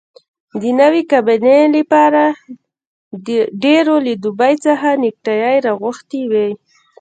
د نوې کابینې لپاره ډېرو له دوبۍ څخه نیکټایي راغوښتي وې.